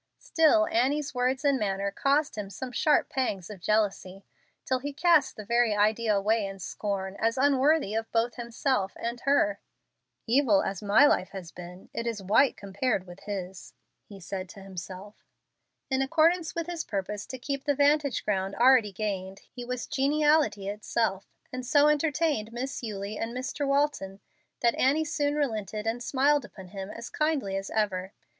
Still Annie's words and manner caused him some sharp pangs of jealousy, till he cast the very idea away in scorn as unworthy of both himself and her. "Evil as my life has been, it is white compared with his," he said to himself. In accordance with his purpose to keep the vantage ground already gained, he was geniality itself, and so entertained Miss Eulie and Mr. Walton that Annie soon relented and smiled upon him as kindly as ever.